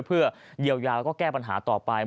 เพื่อเยียวยาแล้วก็แก้ปัญหาต่อไป